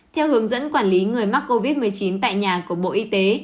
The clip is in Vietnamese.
theo hướng dẫn quản lý người mắc covid một mươi chín tại nhà của bộ y tế